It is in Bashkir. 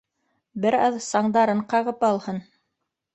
Бер аҙ саңдарын ҡағып алһын.